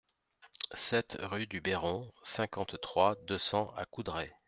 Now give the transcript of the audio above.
sept rue du Béron, cinquante-trois, deux cents à Coudray